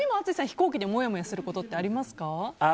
飛行機でもやもやすることありますか？